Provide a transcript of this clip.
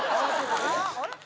あれ？